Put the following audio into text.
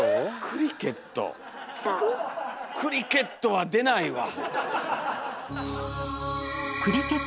クリケットは出ないわ！